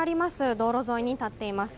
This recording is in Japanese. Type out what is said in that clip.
道路沿いに立っています。